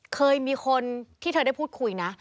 เคยมีคนที่เธอได้พูดคุยนะ